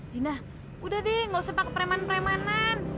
dina udah deh gak usah pakai preman premanan